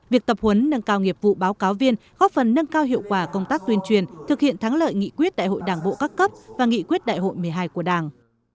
việc tập huấn nâng cao nghiệp vụ báo cáo viên góp phần nâng cao hiệu quả công tác tuyên truyền thực hiện thắng lợi nghị quyết đại hội đảng bộ các cấp và nghị quyết đại hội một mươi hai của đảng